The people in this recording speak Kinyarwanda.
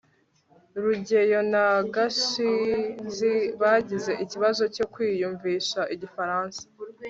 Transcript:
rugeyo na gashinzi bagize ikibazo cyo kwiyumvisha igifaransa